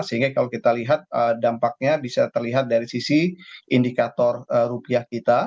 sehingga kalau kita lihat dampaknya bisa terlihat dari sisi indikator rupiah kita